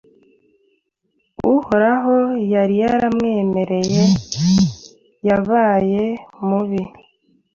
Uhoraho yari yaramwemereye Yabaye mubi